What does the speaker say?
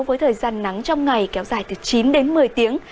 với thời gian nắng trong ngày kéo dài từ chín đến một mươi tiếng